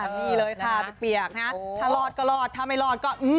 นี่เลยค่ะพี่เปียกนะถ้ารอดก็รอดถ้าไม่รอดก็